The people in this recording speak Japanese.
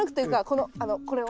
このこれを。